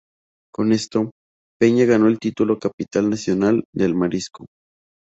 Con esto, Peña ganó el título de "Capital Nacional" del marisco.